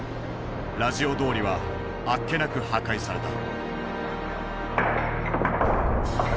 ラジオ通りはあっけなく破壊された。